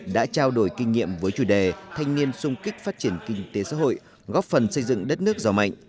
đã trao đổi kinh nghiệm với chủ đề thanh niên sung kích phát triển kinh tế xã hội góp phần xây dựng đất nước giàu mạnh